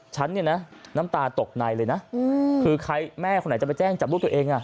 ฉันเนี่ยนะน้ำตาตกในเลยนะคือใครแม่คนไหนจะไปแจ้งจับลูกตัวเองอ่ะ